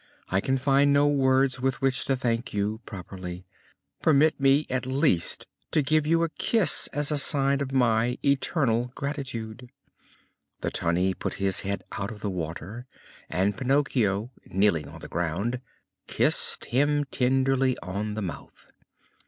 I can find no words with which to thank you properly. Permit me at least to give you a kiss as a sign of my eternal gratitude!" The Tunny put his head out of the water and Pinocchio, kneeling on the ground, kissed him tenderly on the mouth.